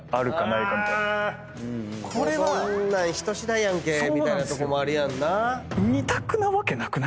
そんなん人しだいやんけみたいなとこもあるやんな。